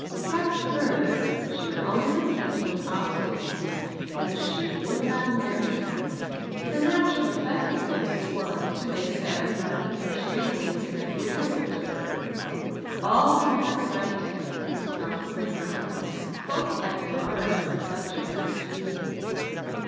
Pressed further, she would only repeat with obstinacy that she would not marry him. The natural effect of this was to make everybody extremely disagreeable to her. All who had the right, and some who had not, spoke at large on the subject of duty.